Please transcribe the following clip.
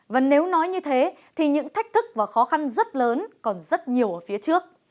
và nếu nói như thế thì những thách thức và khó khăn rất lớn còn rất nhiều ở phía trước